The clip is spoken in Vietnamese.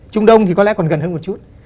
trung đông thì có lẽ còn gần hơn một chút